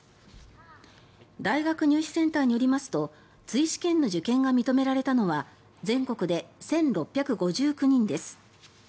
大学入試センターによりますと追試験の受験が認められたのは全国で１６５９人です。